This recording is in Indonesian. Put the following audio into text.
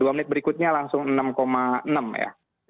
dua menit berikutnya langsung enam enam ya